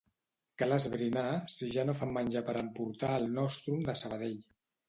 Cal esbrinar si ja no fan menjar per emportar al Nostrum de Sabadell.